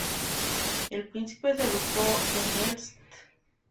El príncipe se educó en el St.